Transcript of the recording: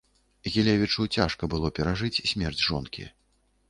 Гілевічу цяжка было перажыць смерць жонкі.